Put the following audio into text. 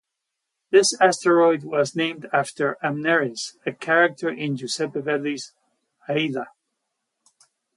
This asteroid was named after Amneris, a character in Giuseppe Verdi's "Aida".